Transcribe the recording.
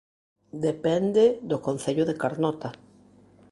Depende do Concello de Carnota